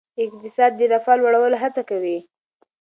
اقتصاد د رفاه لوړولو هڅه کوي.